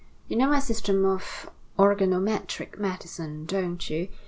You know my system of organometric medicine, don't you?